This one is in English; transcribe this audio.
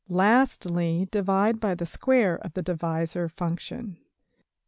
Lastly divide by the square of the divisor function}.